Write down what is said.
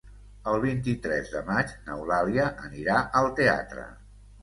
El vint-i-tres de maig n'Eulàlia anirà al teatre.